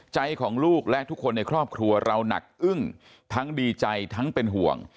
ใจของลูกและทุกคนในครอบครัวเราหนักอึ้งทั้งดีใจทั้งเป็นห่วง